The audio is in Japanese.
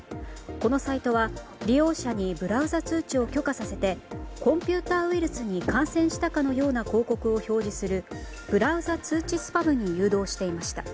このサイトは利用者にブラウザ通知を許可させてコンピューターウイルスに感染したかのような広告を表示するブラウザ通知スパムに誘導していました。